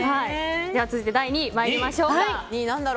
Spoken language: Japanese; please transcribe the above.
続いて、第２位参りましょう。